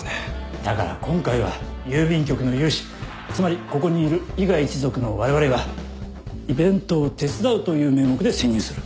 だから今回は郵便局の有志つまりここにいる伊賀一族のわれわれがイベントを手伝うという名目で潜入する。